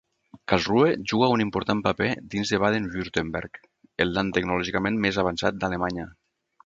Karlsruhe juga un important paper dins de Baden-Württemberg, el Land tecnològicament més avançat d'Alemanya.